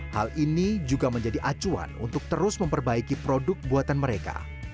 hal ini juga menjadi acuan untuk terus memperbaiki produk buatan mereka